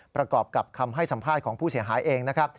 ประกอบกับคำให้สัมภาษณ์ของผู้เสียหายเองนะครับ